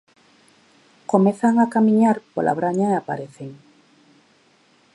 Comezan a camiñar pola braña e aparecen.